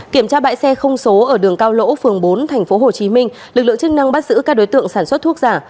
kiểm tra bãi xe không số ở đường cao lỗ phường bốn tp hcm lực lượng chức năng bắt giữ các đối tượng sản xuất thuốc giả